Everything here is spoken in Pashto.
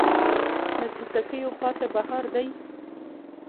له توتکیو پاته بهار دی